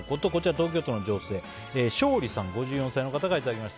東京都の女性５４歳の方からいただきました。